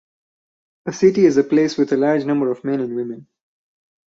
A city is a place with a large number of men and women.